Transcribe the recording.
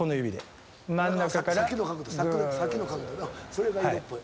それが色っぽい。